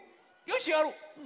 よしやろう！